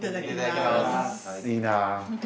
いいなぁ。